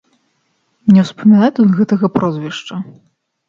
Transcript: Не ўспамінай тут гэтага прозвішча.